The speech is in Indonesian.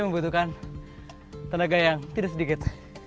membutuhkan tenaga yang tidak sedikit